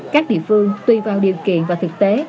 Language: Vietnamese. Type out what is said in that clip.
các địa phương tùy vào điều kiện và thực tế